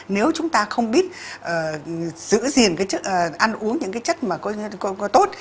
nếu chúng ta không biết giữ gìn ăn uống những cái chất mà có tốt